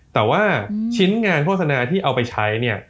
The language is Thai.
แต่ว่าชิ้นงานโฆษณาที่เอาไปใช้เนี่ย